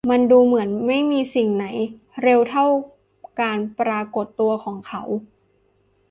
มันดูเหมือนไม่มีสิ่งใดเร็วเท่าการปรากฏตัวของเขา